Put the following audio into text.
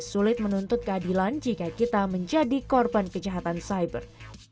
sulit menuntut keadilan jika kita menjadi korban kejahatan cyber